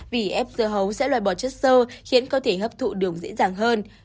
vì ép dơ hấu sẽ loài bỏ chất sơ khiến có thể hấp thụ đường dễ dàng hơn